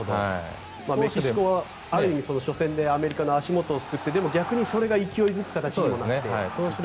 メキシコはある意味初戦でアメリカの足元をすくってでも逆にそれが勢い付く形にもなっている。